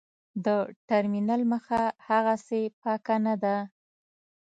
د ټرمینل مخه هاغسې پاکه نه وه.